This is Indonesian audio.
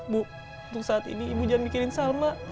bu untuk saat ini ibu jangan mikirin salma